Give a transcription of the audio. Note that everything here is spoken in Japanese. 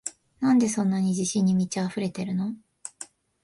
なんでそんなに自信に満ちあふれてるの？